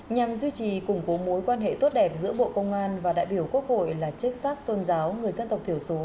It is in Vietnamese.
nhằm duy trì củng cố mối quan hệ tốt đẹp giữa bộ công an và đại biểu quốc hội là chức sắc tôn giáo người dân tộc thiểu số